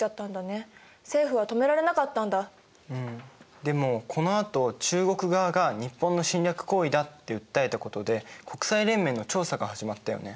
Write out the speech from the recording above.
でもこのあと中国側が「日本の侵略行為だ」って訴えたことで国際連盟の調査が始まったよね。